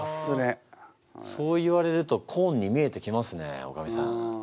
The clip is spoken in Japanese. そう言われるとコーンに見えてきますねおかみさん。